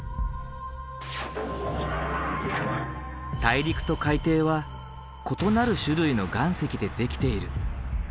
大陸と海底は異なる種類の岩石でできている。